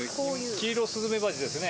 キイロスズメバチですね。